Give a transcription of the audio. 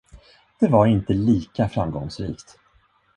Det var inte lika framgångsrikt.